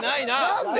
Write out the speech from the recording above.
何で？